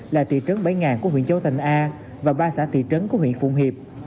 là thị trấn bảy ngàn của huyện châu thành a và ba xã thị trấn của huyện phụng hiệp